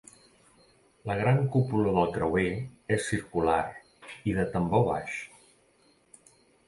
La gran cúpula del creuer és circular i de tambor baix.